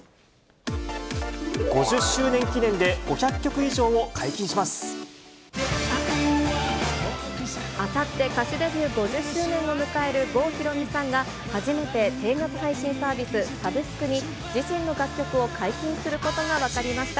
５０周年記念で、５００曲以あさって、歌手デビュー５０周年を迎える郷ひろみさんが、初めて定額配信サービス、サブスクに、自身の楽曲を解禁することが分かりました。